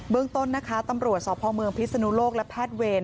ต้นนะคะตำรวจสพเมืองพิศนุโลกและแพทย์เวร